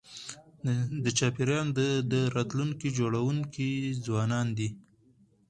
د چاپېریال د راتلونکي جوړونکي ځوانان دي.